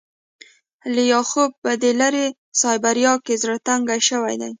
لیاخوف په دې لیرې سایبریا کې زړه تنګی شوی دی